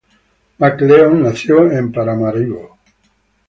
McLeod nació en Paramaribo.